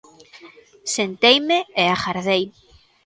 Senteime e agardei.